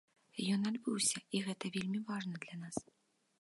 Ён адбыўся, і гэта вельмі важна для нас.